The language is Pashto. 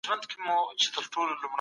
خان پر ظالم سخت دریځ لري